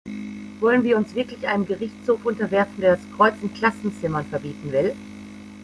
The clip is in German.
Wollen wir uns wirklich einem Gerichtshof unterwerfen, der das Kreuz in Klassenzimmern verbieten will?